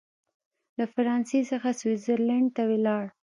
له فرانسې څخه سویس زرلینډ ته ولاړ.